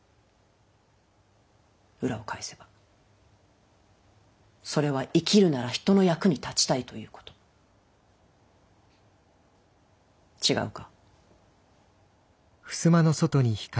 裏を返せばそれは生きるなら人の役に立ちたいということ違うか？